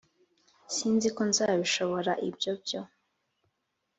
sinziko nzabishobora ibyo byo